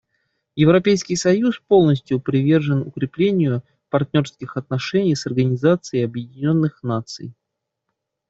Европейский союз полностью привержен укреплению партнерских отношений с Организацией Объединенных Наций.